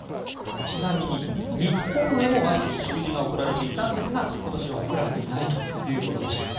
ちなみに日本へも毎年祝辞が贈られていたんですが今年は贈られていないということでした。